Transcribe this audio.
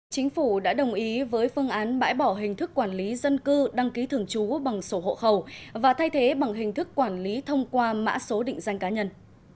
chính phủ đã đồng ý với phương án bãi bỏ hình thức quản lý dân cư đăng ký thường trú bằng sổ hộ khẩu và thay thế bằng hình thức quản lý thông qua mã số định danh cá nhân